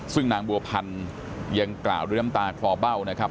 ซึ่งนางบัวพันธ์ยังกล่าวด้วยน้ำตาคลอเบ้านะครับ